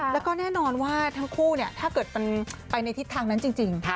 แล้วก็แน่นอนว่าทั้งคู่ถ้าเกิดมันไปในทิศทางนั้นจริง